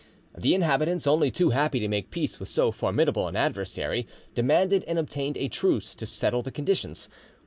The inhabitants, only too happy to make peace with so formidable an adversary, demanded and obtained a truce to settle the conditions.